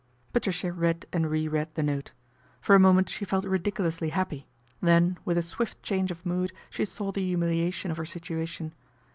Patricia read and re read the note. For a moment she felt ridiculously happy, then, with a swift change of mood she saw the humiliation of her situation.